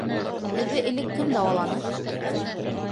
Һеҙҙе элек кем дауаланы?